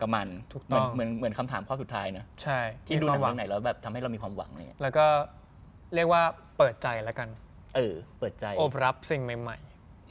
เปิดใจอบรับสิ่งใหม่